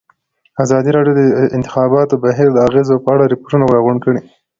ازادي راډیو د د انتخاباتو بهیر د اغېزو په اړه ریپوټونه راغونډ کړي.